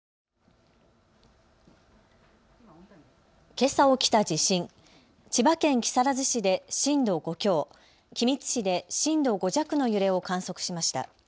けさ起きた地震、千葉県木更津市で震度５強、君津市で震度５弱の揺れを観測しました。